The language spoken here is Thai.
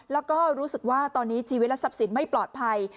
แล้วก็รู้สึกว่าตอนนี้ชีวิตและทรัพย์สินไม่ปลอดภัย